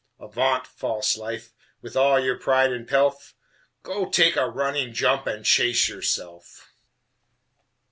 Avaunt, false Life, with all your pride and pelf: Go take a running jump and chase yourself!